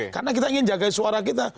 karena kita ingin jaga suara kita